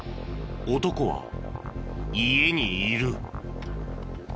男は家にいる。